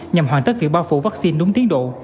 nhằm hoàn tất việc bao phủ vaccine đúng tiến độ